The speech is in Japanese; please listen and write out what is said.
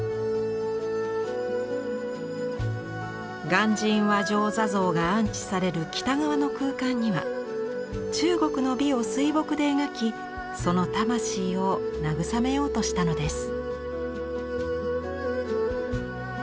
鑑真和上坐像が安置される北側の空間には中国の美を水墨で描きその魂を慰めようとしたのです。